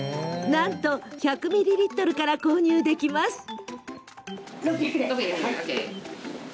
なんと１００ミリリットルから購入できます。